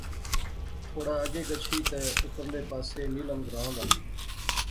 تھوڑا اگے گچھی تہ اپرلے پاسے نیلم گراں دا